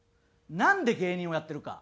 なんで芸人をやってるか。